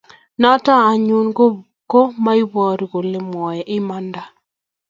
notok anyun ko maibaru kole mwae imanit